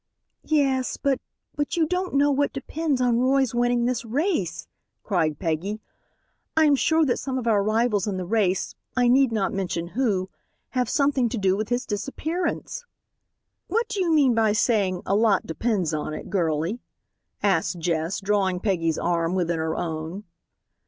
"Yes, but but you don't know what depends on Roy's winning this race," cried Peggy. "I am sure that some of our rivals in the race I need not mention who have something to do with his disappearance." "What do you mean by saying 'a lot depends on it,' girlie?" asked Jess, drawing Peggy's arm within her own.